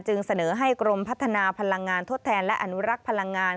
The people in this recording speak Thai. เสนอให้กรมพัฒนาพลังงานทดแทนและอนุรักษ์พลังงาน